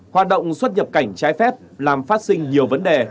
hoạt động xuất nhập cảnh trái phép làm phát sinh nhiều vấn đề